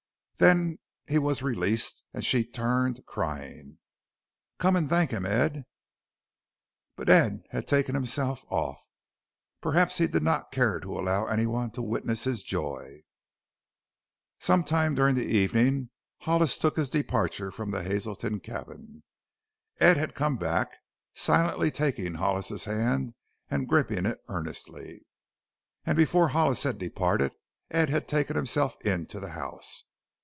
Then he was released and she turned, crying: "Come and thank him, Ed!" But Ed had taken himself off perhaps he did not care to allow anyone to witness his joy. Some time during the evening Hollis took his departure from the Hazelton cabin. Ed had come back, silently taking Hollis's hand and gripping it earnestly. And before Hollis had departed Ed had taken himself into the house.